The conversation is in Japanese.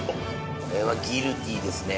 これはギルティですね。